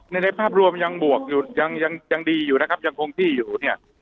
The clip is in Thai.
ในในภาพรวมยังบวกอยู่ยังยังดีอยู่นะครับยังคงที่อยู่เนี่ย